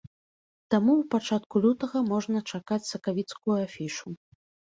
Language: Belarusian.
Таму ў пачатку лютага можна чакаць сакавіцкую афішу.